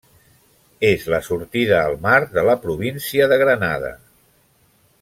És la sortida al mar de la província de Granada.